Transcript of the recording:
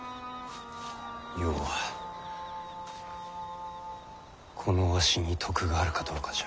要はこのわしに徳があるかどうかじゃ。